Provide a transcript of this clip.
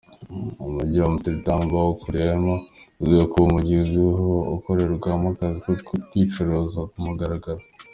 Umujyi w’Amsterdam bakuriyemo, uzwiho kuba umujyi uzwiho ukorerwamo akazi ko kwicuruza ku mugaragaro.